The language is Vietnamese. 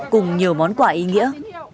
cùng nhiều món quà ý nghĩa